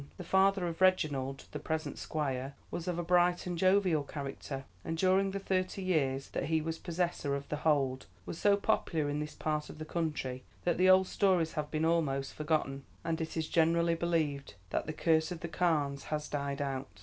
The father of Reginald, the present Squire, was of a bright and jovial character, and during the thirty years that he was possessor of The Hold was so popular in this part of the country that the old stories have been almost forgotten, and it is generally believed that the curse of the Carnes has died out."